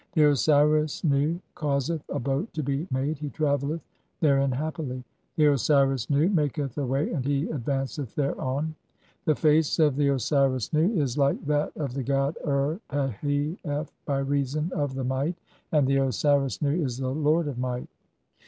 (19) The Osiris Nu causeth a boat to be "made, he travelleth therein happily ; the Osiris Nu maketh a "way and he advanceth thereon. The face of the Osiris Nu (20) THE CHAPTER OF THE PYLONS. 243 "is like that of the god Ur pehi f by reason of the might (?), "and the Osiris Nu is the lord of might.